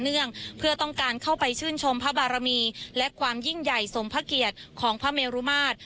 งเพื่อต้องการเข้าไปชื่นชมพระบารมีและความยิ่งใหญ่สมพระเกียรติของพระเมรุมาตร